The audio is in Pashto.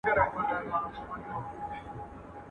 يوه سترگه ئې ځني کښل، پر بله ئې لاس نيوی.